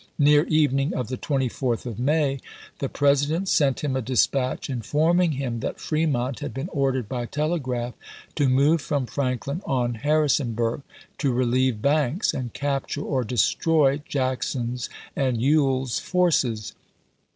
Near evening of the 24th of May the President sent him a dispatch 1862. informing him that Fremont had been ordered by telegraph to move from Franklin on Harrisonburg, 406 ABRAHAM LINCOLN cu. XXII. to relieve Banks, aud capture or destroy Jackson's aud Swell's forces.